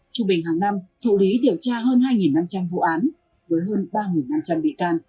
trung bình hàng năm thụ lý điều tra hơn hai năm trăm linh vụ án với hơn ba năm trăm linh bị can